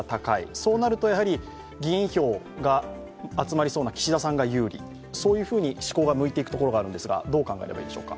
そうなると、議員票が集まりそうな岸田さんが有利、そういうふうに思考が向いていくところがあるんですが、どう考えればいいんでしょうか？